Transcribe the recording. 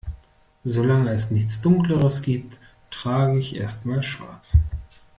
Solange es nichts Dunkleres gibt, trage ich erst mal Schwarz.